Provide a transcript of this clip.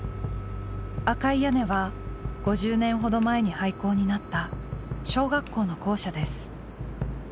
赤い屋根は５０年ほど前に廃校になった小学校の校舎です。